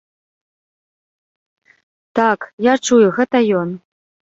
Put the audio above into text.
Так, я чую, гэта ён.